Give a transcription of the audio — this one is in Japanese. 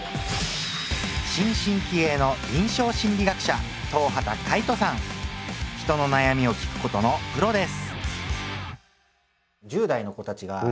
新進気鋭の臨床心理学者人の悩みを聞くことのプロです！